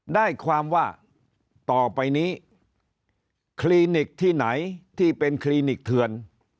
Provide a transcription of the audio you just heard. ได้ความว่าต่อไปนี้คลินิกที่ไหนที่เป็นคลินิกเถือน